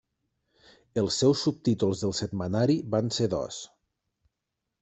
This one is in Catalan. Els seus subtítols del setmanari van ser dos.